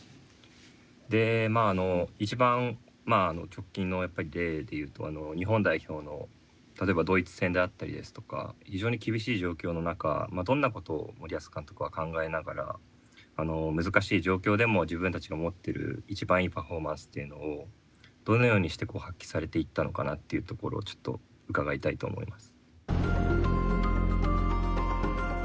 でまあ一番直近の例でいうと日本代表の例えばドイツ戦であったりですとか非常に厳しい状況の中どんなことを森保監督は考えながらあの難しい状況でも自分たちが持ってる一番いいパフォーマンスっていうのをどのようにして発揮されていったのかなっていうところをちょっと伺いたいと思います。